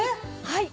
はい。